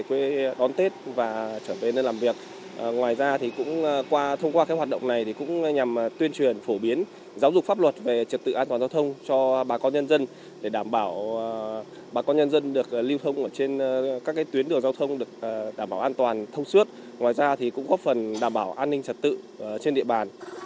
không chỉ tặng quà miễn phí lực lượng cảnh sát giao thông còn tuyên truyền phổ biến giáo dục pháp luật về trật tự an toàn giao thông cho bà con nhân dân để đảm bảo bà con nhân dân được lưu thông trên các tuyến đường giao thông được đảm bảo an toàn thông suốt ngoài ra cũng góp phần đảm bảo an ninh trật tự trên địa bàn